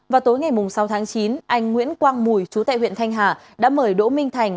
vào tối ngày sáu tháng chín anh nguyễn quang mùi chú tại huyện thanh hà đã mời đỗ minh thành